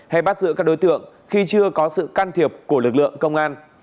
hay bắt giữ các đối tượng khi chưa có sự can thiệp của lực lượng công an